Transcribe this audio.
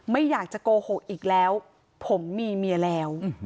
ไม่อยากจะโกหกอีกแล้วผมมีเมียแล้ว